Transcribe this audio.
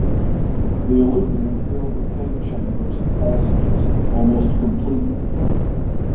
The alluvium filled the cave chambers and passages almost completely.